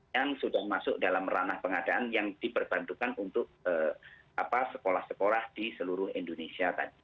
yang sudah masuk dalam ranah pengadaan yang diperbantukan untuk sekolah sekolah di seluruh indonesia tadi